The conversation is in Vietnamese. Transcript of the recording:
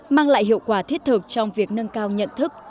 mang lại hiệu quả thiết thực trong việc nâng cao nhận thức